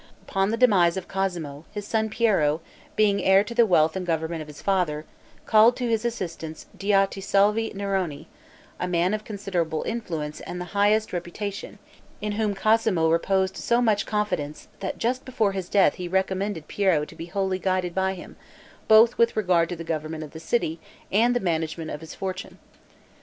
Upon the demise of Cosmo, his son Piero, being heir to the wealth and government of his father, called to his assistance Diotisalvi Neroni, a man of great influence and the highest reputation, in whom Cosmo reposed so much confidence that just before his death he recommended Piero to be wholly guided by him, both with regard to the government of the city and the management of his fortune.